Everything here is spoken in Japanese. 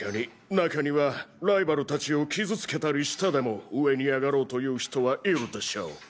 中にはライバル達を傷つけたりしてでも上にあがろうという人はいるでしょう。